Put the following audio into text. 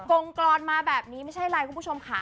งกรอนมาแบบนี้ไม่ใช่อะไรคุณผู้ชมค่ะ